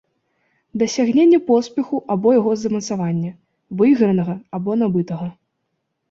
Дасягненне поспеху або яго замацавання, выйгранага або набытага.